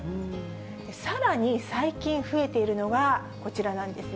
さらに最近増えているのが、こちらなんですね。